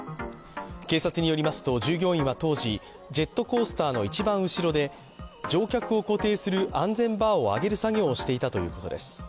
警察によりますと従業員は当時、ジェットコースターの一番後ろで乗客を固定する安全バーを上げる作業をしていたということです。